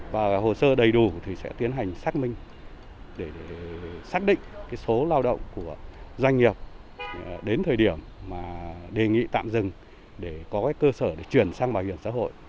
và hồ sơ đầy đủ thì sẽ tiến hành xác minh để xác định số lao động của doanh nghiệp đến thời điểm mà đề nghị tạm dừng để có cơ sở để chuyển sang bảo hiểm xã hội